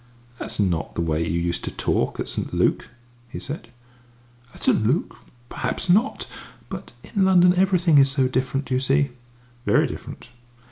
"That is not the way you used to talk at St. Luc!" he said. "At St. Luc? Perhaps not. But in London everything is so different, you see." "Very different."